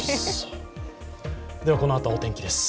このあとはお天気です。